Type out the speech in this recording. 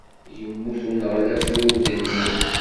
Yemmut uneɣlaf ur d-nnin.